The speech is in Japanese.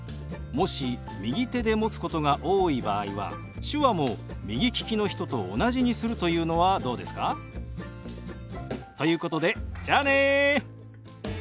もし右手で持つことが多い場合は手話も右利きの人と同じにするというのはどうですか？ということでじゃあね。